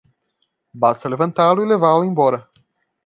Basta levantá-lo e levá-lo embora.